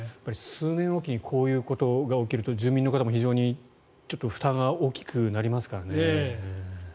数年おきにこういうことが起こると住民の方も非常に負担が大きくなりますからね。